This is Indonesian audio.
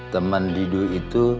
teman didu itu